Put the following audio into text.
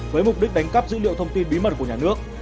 với mục đích đánh cắp dữ liệu thông tin bí mật của nhà nước